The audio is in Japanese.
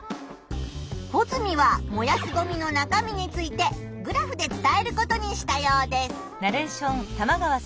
ホズミは燃やすゴミの中身についてグラフで伝えることにしたようです。